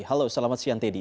halo selamat siang teddy